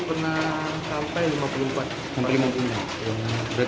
berarti makin kesini makin teruntur ya